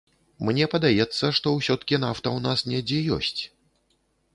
Мне падаецца, што ўсё-ткі нафта ў нас недзе ёсць.